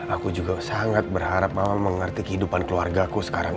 aku juga sangat berharap mama mengerti kehidupan keluargaku sekarang